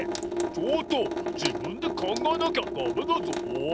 「ちょっとじぶんでかんがえなきゃダメだゾウ」。